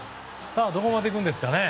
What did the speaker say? どこまでいくんですかね。